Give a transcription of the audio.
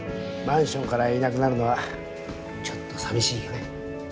マンションからいなくなるのはちょっと寂しいけどね。